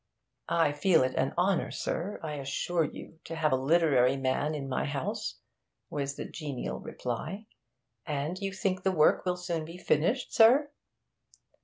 'I feel it an honour, sir, I assure you, to have a literary man in my house,' was the genial reply. 'And you think the work will soon be finished, sir?'